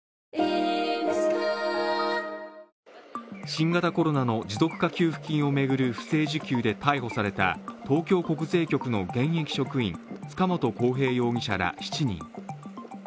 新型コロナの持続化給付金を巡る不正受給で逮捕された東京国税局の現役職員、塚本晃平容疑者ら７人。